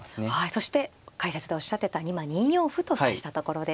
そして解説でおっしゃってた今２四歩と指したところです。